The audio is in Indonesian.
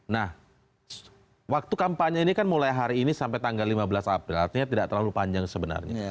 nah waktu kampanye ini kan mulai hari ini sampai tanggal lima belas april artinya tidak terlalu panjang sebenarnya